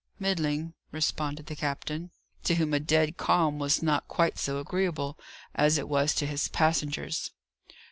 "Middling," responded the captain, to whom a dead calm was not quite so agreeable as it was to his passengers.